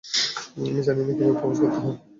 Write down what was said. আমি জানি না কীভাবে প্রপোজ করতে হয়।